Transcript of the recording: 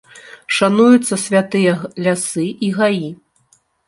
Шануюцца святыя лясы і гаі.